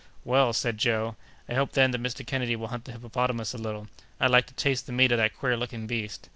"Well," said Joe, "I hope then that Mr. Kennedy will hunt the hippopotamus a little; I'd like to taste the meat of that queer looking beast.